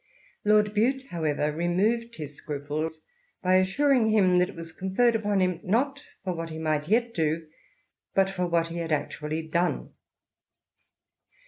Lord Bute, hoteever, removed his scruples by assuring him that it was conferred upon him, not for what he might yet do, but for at he had actually done.